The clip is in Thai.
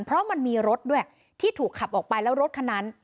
เพราะมันมีรถด้วยที่ถูกขับออกไปแล้วรถคันนั้น